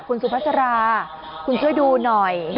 คุณสุภาษาราคุณช่วยดูหน่อย